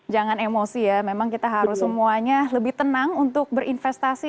jangan emosi ya memang kita harus semuanya lebih tenang untuk berinvestasi